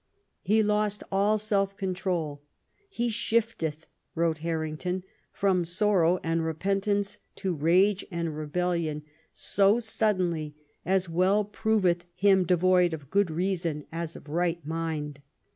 He lost all self control; "he shifteth/' wrote Harrington, "from sorrow and repentance to rage and rebellion so suddenly as well proveth him devoid of good reason as of right mind.